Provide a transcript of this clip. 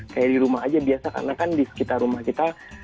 kayak di rumah aja biasa karena kan di sekitar rumah kita